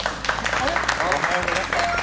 おはようございます。